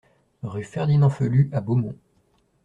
Rue Ferdinand Phelut à Beaumont